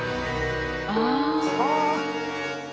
ああ。